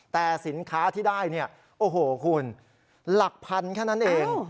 แต่สินค้าที่ได้เนี่ยโอ้โหคุณหลักพันแค่นั้นเอง